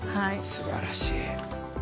すばらしい。